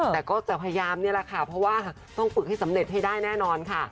แต่ก็จะพยายามนี่แหละค่ะเพราะว่าต้องฝึกให้สำเร็จให้ได้แน่นอนค่ะ